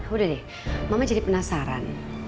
udah deh mama jadi penasaran